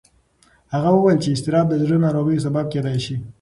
هغه وویل چې اضطراب د زړه ناروغیو سبب کېدی شي.